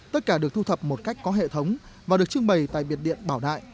tất cả được thu thập một cách có hệ thống và được trưng bày tại biệt điện bảo đại